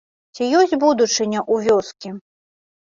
Ці ёсць будучыня ў вёскі?